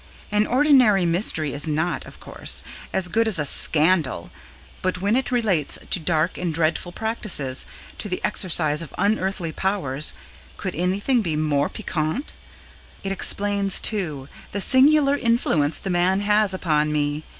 An ordinary mystery is not, of course, as good as a scandal, but when it relates to dark and dreadful practices to the exercise of unearthly powers could anything be more piquant? It explains, too, the singular influence the man has upon me.